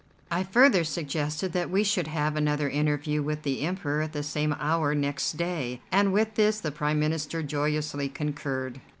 I further suggested that we should have another interview with the Emperor at the same hour next day, and with this the Prime Minister joyously concurred.